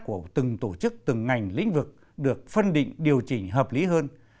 của từng tổ chức từng ngành lĩnh vực được phân định điều chỉnh hợp lý hơn